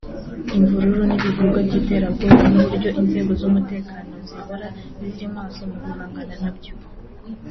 imvururu n’ibikorwa by’iterabwoba n’uburyo inzego z’umutekano zihora ziri maso mu guhangana na byo